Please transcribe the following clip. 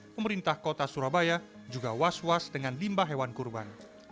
pemerintah kota surabaya juga was was dengan limba hewan kurban